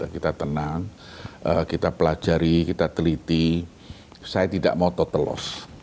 kita tenang kita pelajari kita teliti saya tidak mau total loss